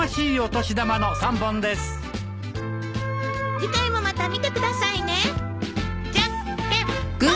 次回もまた見てくださいね。